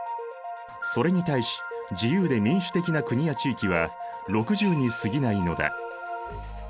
それに対し自由で民主的な国や地域は６０にすぎないのだ。